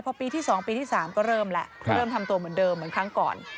พอปีที่๒ปีที่๓ก็เริ่มแล้วก็เริ่มทำตัวเหมือนเดิมเหมือนครั้งก่อน